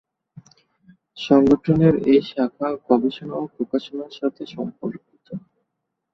সংগঠনের এই শাখা গবেষণা ও প্রকাশনার সাথে সম্পর্কিত।